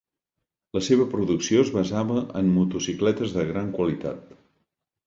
La seva producció es basava en motocicletes de gran qualitat.